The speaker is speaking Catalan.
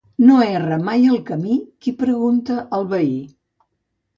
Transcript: No erra mai el camí qui pregunta al veí.